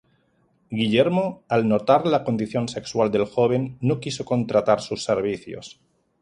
Guillermo, al notar la condición sexual del joven, no quiso contratar sus servicios.